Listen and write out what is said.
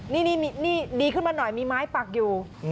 นี่ดีขึ้นมาหน่อยมีไม้ปักอยู่